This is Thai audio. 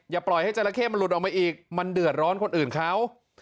ปล่อยให้จราเข้มันหลุดออกมาอีกมันเดือดร้อนคนอื่นเขา